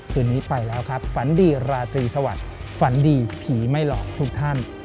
คืนนี้ไปแล้วครับฝันดีราตรีสวัสดิ์ฝันดีผีไม่หลอกทุกท่าน